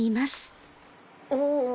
お！